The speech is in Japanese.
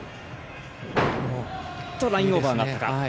ラインオーバーがあったか。